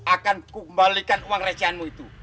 akan kumbalikan uang rejianmu itu